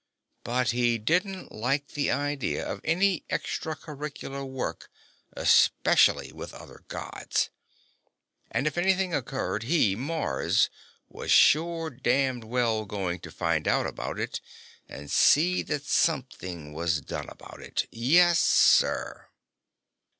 But he didn't like the idea of any extracurricular work, especially with other Gods. And if anything occurred, he, Mars, was sure damned well going to find out about it and see that something was done about it, yes, sir.